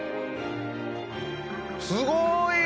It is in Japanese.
すごーい！